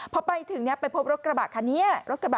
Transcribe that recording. พอไปถึงเนี่ยไปพบรถกระบะขัดเนี้ย